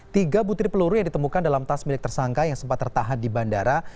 tiga butir peluru yang ditemukan dalam tas milik tersangka yang sempat tertahan di bandara